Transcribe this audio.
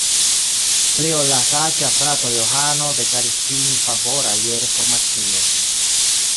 Pli ol la saĝa frato Johano deklaris sin favora je Reformacio.